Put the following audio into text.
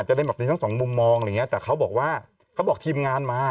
จะได้แบบมีทั้งสองมุมมองอะไรอย่างเงี้แต่เขาบอกว่าเขาบอกทีมงานมา